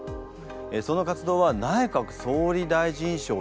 その活動は内閣総理大臣賞を受賞。